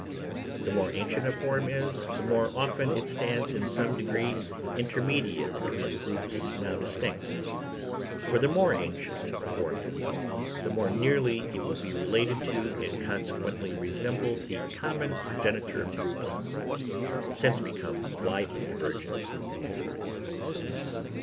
The more ancient a form is, the more often it stands in some degree intermediate between groups now distinct; for the more ancient a form is, the more nearly it will be related to, and consequently resemble, the common progenitor of groups, since become widely divergent.